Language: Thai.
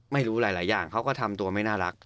ไม่รู้หลายอย่างเขาก็ทำตัวไม่น่ารัก